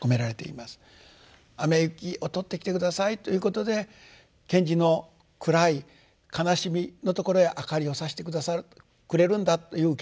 雨雪を取ってきて下さいということで賢治の暗い悲しみのところへ明かりをさして下さるくれるんだという受け止め方。